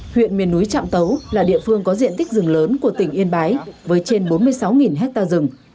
huyện miền núi trạm tấu là địa phương có diện tích rừng lớn của tỉnh yên bái với trên bốn mươi sáu hectare rừng